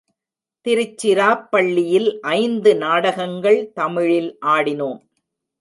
திருச்சிராப்பள்ளியில் ஐந்து நாடகங்கள் தமிழில் ஆடினோம்.